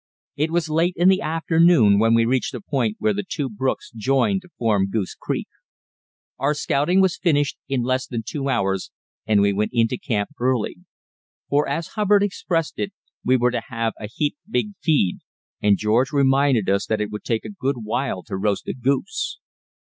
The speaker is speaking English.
It was late in the afternoon when we reached the point where the two brooks joined to form Goose Creek. Our scouting was finished in less than two hours, and we went into camp early: for, as Hubbard expressed it, we were to have a "heap big feed," and George reminded us that it would take a good while to roast a goose.